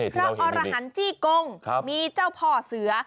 อรหันต์จี้กงมีเจ้าพ่อเสือ